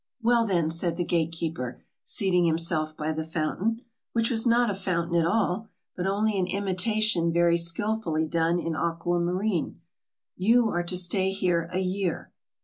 "Well, then," said the gate keeper, seating himself by the fountain which was not a fountain at all, but only an imitation very skillfully done in aquamarine "you are to stay here a year.